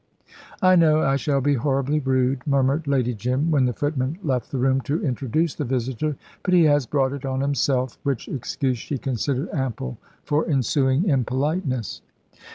"I know I shall be horribly rude," murmured Lady Jim, when the footman left the room to introduce the visitor; "but he has brought it on himself" which excuse she considered ample for ensuing impoliteness.